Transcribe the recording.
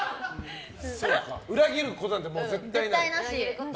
裏切ることなんて絶対ない？